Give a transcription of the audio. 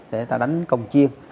để ta đánh công chiên